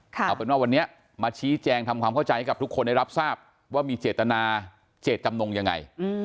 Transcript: เอาเป็นว่าวันนี้มาชี้แจงทำความเข้าใจให้กับทุกคนได้รับทราบว่ามีเจตนาเจตจำนงยังไง